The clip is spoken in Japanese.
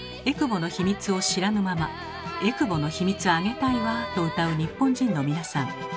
えくぼの秘密を知らぬまま「エクボの秘密あげたいわ」と歌う日本人の皆さん